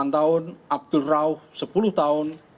delapan tahun abdul rauh sepuluh tahun